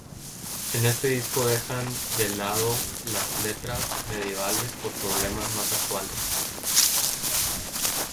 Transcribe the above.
En este disco dejan de lado las letras medievales por problemas más actuales.